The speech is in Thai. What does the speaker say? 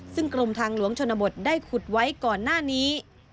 ซึ่งกรมทางหลวงชนบทได้ขุดไว้ก่อนหน้านี้